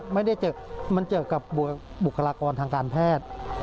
ไม่ได้เจอมันเจอกับบุคลากรทางการแพทย์